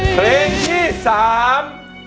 เพลงที่สาม